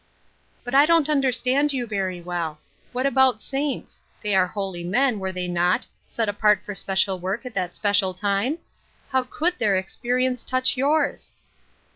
" But I don't understand you very well What about saints ? they were holy men, were thej' not, set apart for special work at that spe cial time? How could their experience touch yours